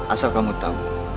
asal kamu tahu